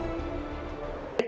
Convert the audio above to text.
apakah diturunkan ke keadaan